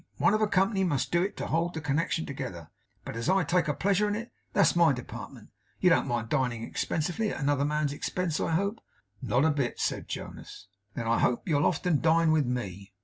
One of a Company must do it to hold the connection together; but, as I take a pleasure in it, that's my department. You don't mind dining expensively at another man's expense, I hope?' 'Not a bit,' said Jonas. 'Then I hope you'll often dine with me?